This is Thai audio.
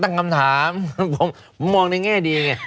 ตั้งคำถามผมมองในแง่ดีไง